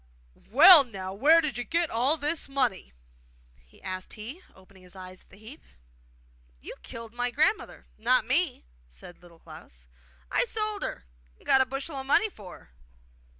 'Well, now, where did you get all this money?' asked he, opening his eyes at the heap. 'You killed my grandmother not me,' said Little Klaus. 'I sold her, and got a bushel of money for her.